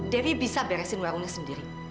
devi bisa beresin warungnya sendiri